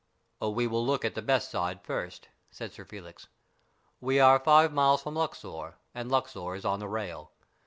"We will look at the best side first," said Sir Felix. " We are five miles from Luxor, and Luxor is on the rail.